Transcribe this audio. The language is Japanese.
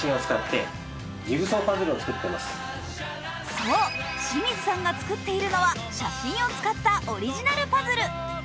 そう、清水さんが作っているのは写真を使ったオリジナルパズル。